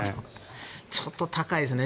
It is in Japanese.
ちょっと高いですね。